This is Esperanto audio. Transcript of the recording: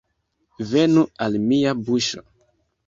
Venu al mia buŝo!